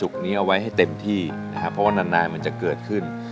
แบบเชียร์กันสุดใจเลย